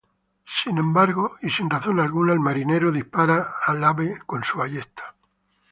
Sin embargo y sin razón alguna, el marinero dispara al ave con su ballesta.